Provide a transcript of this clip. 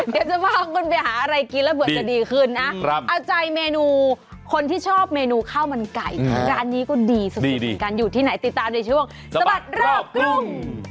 เดี๋ยวจะพาคุณไปหาอะไรกินแล้วเผื่อจะดีขึ้นนะเอาใจเมนูคนที่ชอบเมนูข้าวมันไก่ร้านนี้ก็ดีการอยู่ที่ไหนติดตามในช่วงสะบัดรอบกรุง